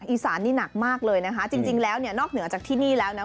อีสานนี่หนักมากเลยนะคะจริงแล้วเนี่ยนอกเหนือจากที่นี่แล้วนะ